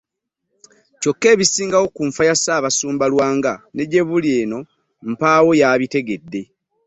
Kyokka ebisingawo ku nfa ya Ssaabasumba Lwanga ne gyebuli eno mpaawo yaabitegedde.